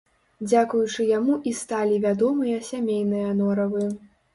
Дзякуючы яму і сталі вядомыя сямейныя норавы.